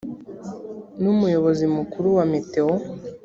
ni umuyobozi mukuru wa meteo